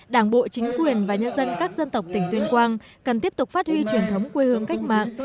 đảng bộ chính quyền và nhân dân các dân tộc tỉnh tuyên quang cần tiếp tục phát huy truyền thống quê hương cách mạng